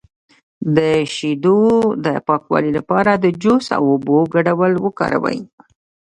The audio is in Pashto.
د شیدو د پاکوالي لپاره د جوش او اوبو ګډول وکاروئ